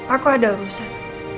aku ada urusan